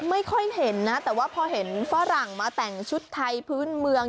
ไม่ค่อยเห็นนะแต่ว่าพอเห็นฝรั่งมาแต่งชุดไทยพื้นเมือง